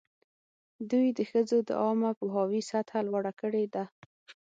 دوی د ښځو د عامه پوهاوي سطحه لوړه کړې ده.